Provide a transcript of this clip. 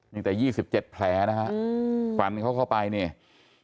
ตั้งแต่ยี่สิบเจ็ดแผลนะฮะฝันเขาเข้าไปเนี่ย